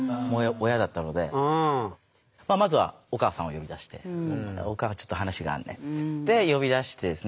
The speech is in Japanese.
まずはお母さんを呼び出して「オカンちょっと話があんねん」って言って呼びだしてですね